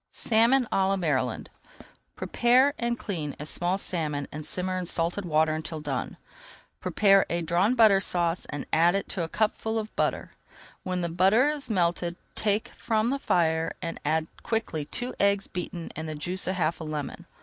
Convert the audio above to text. SALMON À LA MARYLAND Prepare and clean a small salmon and simmer in salted water until done. Prepare a Drawn Butter Sauce and add to it half a cupful of butter. When the butter is melted, take from the fire and add quickly two eggs beaten with the juice of half a lemon.